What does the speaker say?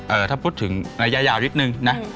ถ้าพูดถึงระยะยาวนิดนึงนะ